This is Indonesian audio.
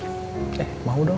eh mau dong